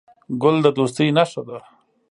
ګل د دوستۍ نښه ده.